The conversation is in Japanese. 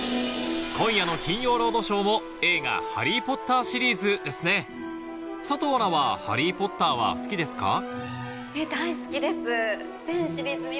今夜の『金曜ロードショー』も映画『ハリー・ポッター』シリーズですね佐藤アナは『ハリー・ポッター』は好きですか？